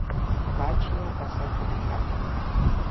გააჩნია გასართობი პარკი.